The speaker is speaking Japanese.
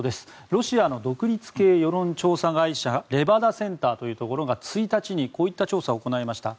ロシアの独立系世論調査会社レバダ・センターというところが１日にこういった調査を行いました。